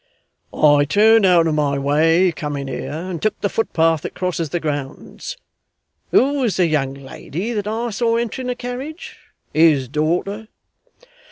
'I turned out of my way coming here, and took the footpath that crosses the grounds. Who was the young lady that I saw entering a carriage? His daughter?